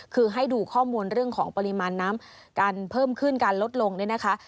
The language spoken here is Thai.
คือให้ดูข้อมูลเรื่องของปริมาณน้ำการเพิ่มขึ้นการลดลงเนี่ยนะคะ